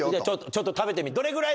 ちょっと食べてみ。